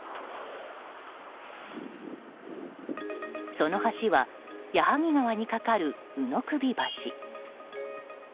その橋は矢作川に架かる鵜の首橋。